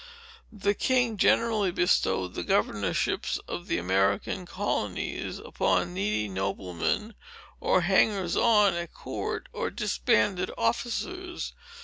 The king generally bestowed the governorships of the American colonies upon needy noblemen, or hangers on at court, or disbanded officers.